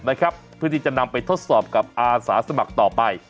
เพื่อที่จะนำไปทดสอบกับอาสาสมัครต่อไป